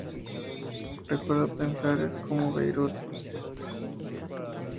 Recuerdo pensar: es como Beirut.